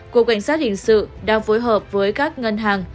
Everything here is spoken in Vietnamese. cục cảnh sát hiệp lực đang phối hợp với các ngân hàng